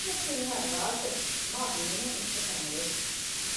ކްއީންއަކީ މިހާރު ރާޖްއަށް މާބޭނުން އެއްޗަކަށް ނުވެ